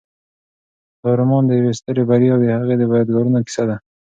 دا رومان د یوې سترې بریا او د هغې د یادګارونو کیسه ده.